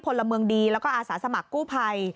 พลเมืองดีแล้วก็อาสาสมัครกู้ภัย